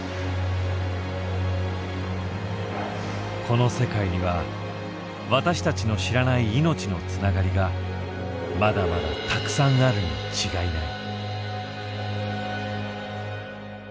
この世界には私たちの知らない命のつながりがまだまだたくさんあるに違いない。